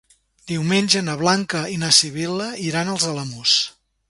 Diumenge na Blanca i na Sibil·la iran als Alamús.